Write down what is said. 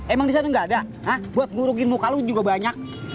emang di sana nggak ada buat ngurukin muka lu juga banyak